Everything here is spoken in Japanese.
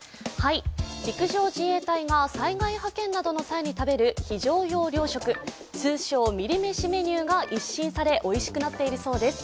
陸上自衛隊が災害派遣などの際に食べる非常用糧食、通称ミリ飯メニューが一新され、おいしくなっているそうです。